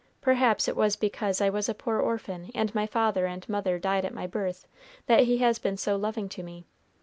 Perhaps it was because I was a poor orphan, and my father and mother died at my birth, that He has been so loving to me.